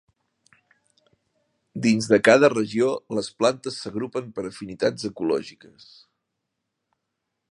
Dins de cada regió les plantes s'agrupen per afinitats ecològiques.